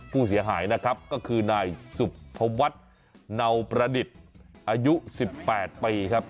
ผู้เสียหายนะครับก็คือนายสุภวัฒน์เนาประดิษฐ์อายุ๑๘ปีครับ